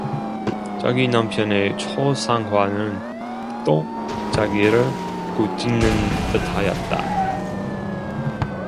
자기 남편의 초상화는 또 자기를 꾸짖는 듯하였다.